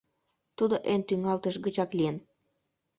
Тудо эн тӱҥалтыш гычак лийын?